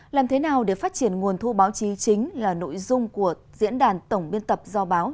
làm thế nào để phát triển nguồn thu báo chí chính là nội dung của diễn đàn tổng biên tập do báo